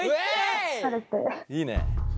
いいね。